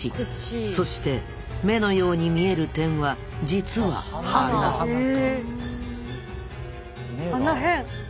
そして目のように見える点は実は鼻鼻変。